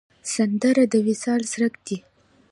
سندره د وصال څرک دی